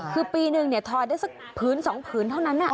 คือปีนึงเนี่ยทอได้สักผืนสองผืนเท่านั้นนะ